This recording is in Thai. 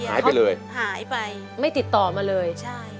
หายไปเลยหายไปไม่ติดต่อมาเลยใช่